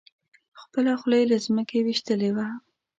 خپله خولۍ یې له ځمکې ویشتلې وه.